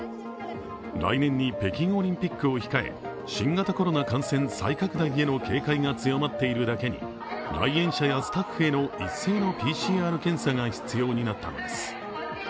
来年に北京オリンピックを控え新型コロナ感染再拡大への懸念が強まっているだけに来園者やスタッフへの一斉のＰＣＲ検査が必要になったのです。